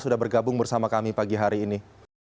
sudah bergabung bersama kami pagi hari ini